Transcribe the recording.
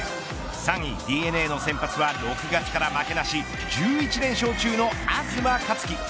３位ＤｅＮＡの先発は６月から負けなし１１連勝中の東克樹。